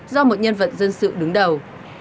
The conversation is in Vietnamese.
do một nhân vật dân sự đứng đầu